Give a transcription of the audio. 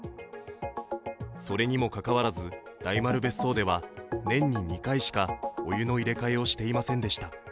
それにもかかわらず、大丸別荘では年に２回しかお湯の入れ替えをしていませんでした。